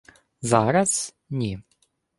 — Зараз... ні.